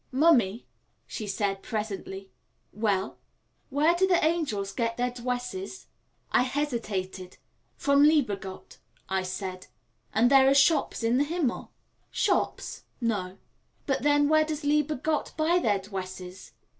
"Mummy," she said presently. "Well?" "Where do the angels get their dwesses?" I hesitated. "From lieber Gott," I said. "Are there shops in the Himmel?" "Shops? No." "But, then, where does lieber Gott buy their dwesses?"